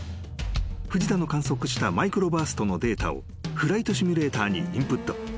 ［藤田の観測したマイクロバーストのデータをフライトシミュレーターにインプット。